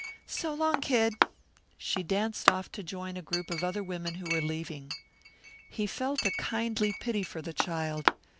So long, Kid!" She danced off to join a group of other women who were leaving. He felt a kindly pity for the child.